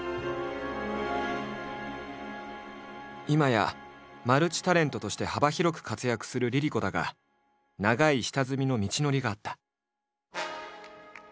今やマルチタレントとして幅広く活躍するＬｉＬｉＣｏだが長い下積みの道のりがあった。